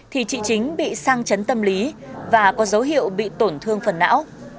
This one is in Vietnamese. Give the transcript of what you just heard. thì chị chính bị sang chấn tâm lý và có dấu hiệu bị tổn thương phần não